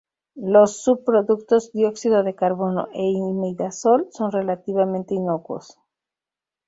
Los subproductos, dióxido de carbono e imidazol, son relativamente inocuos.